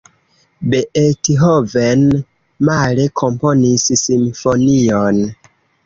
Beethoven male komponis simfonion.